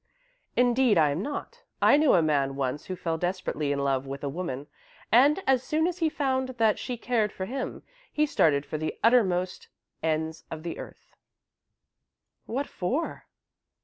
"Indeed I'm not. I knew a man once who fell desperately in love with a woman, and, as soon as he found that she cared for him, he started for the uttermost ends of the earth." "What for?"